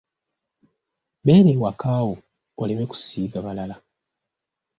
Beera ewaka wo oleme kusiiga balala.